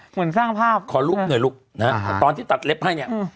เหมือนสร้างภาพขอลุกหน่อยลูกนะฮะตอนที่ตัดเล็บให้เนี่ย